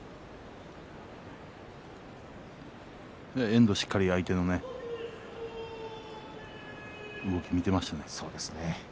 遠藤はしっかり相手の動きを見ていました。